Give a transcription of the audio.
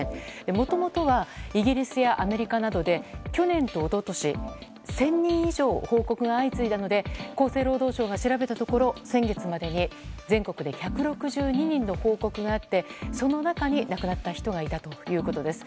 もともとはイギリスやアメリカなどで去年と一昨年、１０００人以上報告が相次いだので厚生労働省が調べたところ先月までに全国で１６２人の報告があってその中に亡くなった人がいたということです。